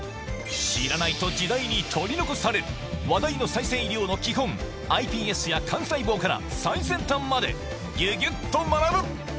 知らないと時代に取り残される話題の再生医療の基本ｉＰＳや幹細胞から最先端までギュギュっと学ぶ！